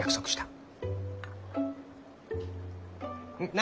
何？